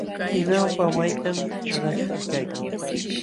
Pinawpa waytan qarmaśhmi kaykan.